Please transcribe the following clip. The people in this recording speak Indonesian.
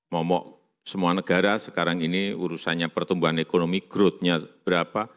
momok semua negara sekarang ini urusannya pertumbuhan ekonomi growth nya berapa